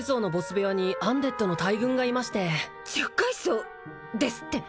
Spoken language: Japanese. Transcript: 部屋にアンデッドの大群がいまして十階層ですって！？